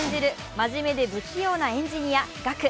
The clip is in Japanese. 真面目で不器用なエンジニア・ガク。